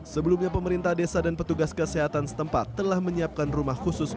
sebelumnya pemerintah desa dan petugas kesehatan setempat telah menyiapkan rumah khusus